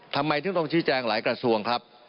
ทำไมถึงต้องชี้แจงหลายกระทรวงครับ